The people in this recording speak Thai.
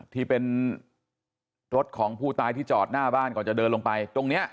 ที่เป็นรถของผู้ตายที่จอดหน้าบ้านก่อนจะเดินลงไปตรงนี้